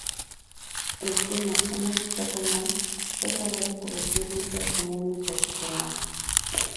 El tema "Una chica formal" fue grabado por Rocío Dúrcal como "Un muchacho formal".